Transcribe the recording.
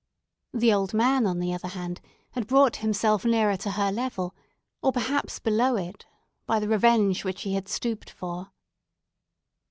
The old man, on the other hand, had brought himself nearer to her level, or, perhaps, below it, by the revenge which he had stooped for.